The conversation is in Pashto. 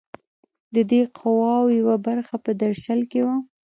د دې قواوو یوه برخه په درشل کې وه.